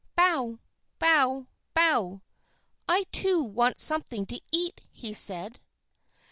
"Bow! Bow! Bow! I, too, want something to eat," he said.